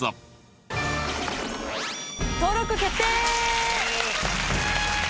登録決定！